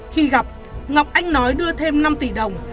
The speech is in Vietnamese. khi gặp ngọc anh nói đưa thêm năm tỷ đồng